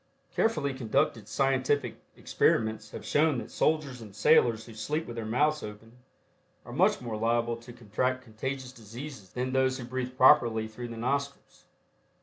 Carefully conducted scientific experiments have shown that soldiers and sailors who sleep with their mouths open are much more liable to contract contagious diseases than those who breathe properly through the nostrils.